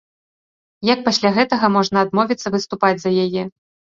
Як пасля гэтага можна адмовіцца выступаць за яе?